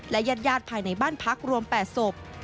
และยัดภายในบ้านพักรวม๘ศพ